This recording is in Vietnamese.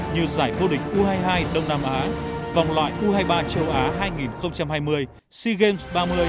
như giải vô địch u hai mươi hai đông nam á vòng loại u hai mươi ba châu á hai nghìn hai mươi sea games ba mươi